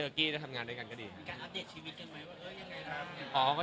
มีความรู้จักไหมว่าเกิดยังไงครับ